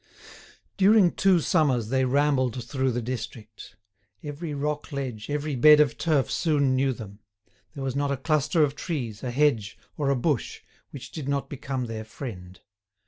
During two summers they rambled through the district. Every rock ledge, every bed of turf soon knew them; there was not a cluster of trees, a hedge, or a bush, which did not become their friend.